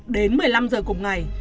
đến một mươi năm giờ cùng ngày